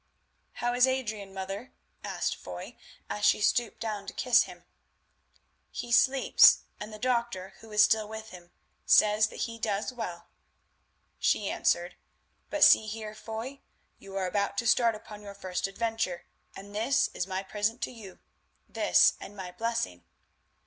"How is Adrian, mother?" asked Foy, as she stooped down to kiss him. "He sleeps, and the doctor, who is still with him, says that he does well," she answered. "But see here, Foy, you are about to start upon your first adventure, and this is my present to you—this and my blessing."